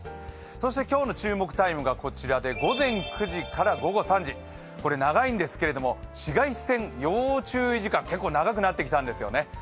そして今日の注目タイムがこちらで午前９時から午後３時、長いんですけれども紫外線要注意時間、結構長くなってきたんですよね。